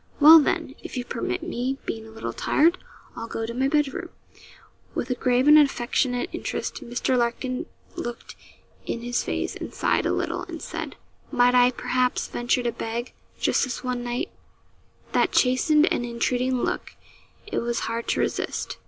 'Well, then, if you permit me, being a little tired, I'll go to my bed room.' With a grave and affectionate interest, Mr. Larkin looked in his face, and sighed a little and said: 'Might I, perhaps, venture to beg, just this one night ' That chastened and entreating look it was hard to resist.